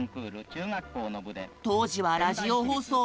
当時はラジオ放送。